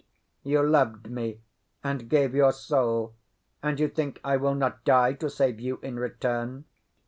you loved me, and gave your soul, and you think I will not die to save you in return?"